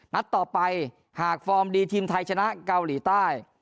นัดต่อไปหากฟอร์มดีทีมไทยชนะเกาหลีใต้